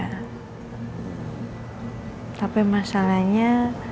hai tapi masalahnya